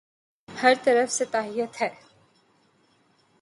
ہر طرف سطحیت ہے۔